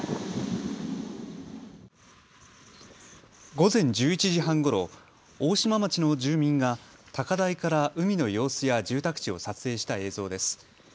午前１１時半ごろ、大島町の住民が高台から海の様子や住宅地を撮影した映像です。